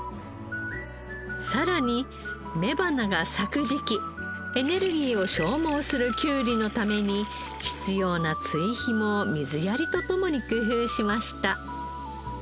さらに雌花が咲く時期エネルギーを消耗するきゅうりのために必要な追肥も水やりと共に工夫しました。